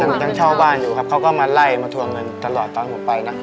ยังต้องเช่าบ้านอยู่ครับเขาก็มาไล่มาทวงเงินตลอดตอนผมไปนะ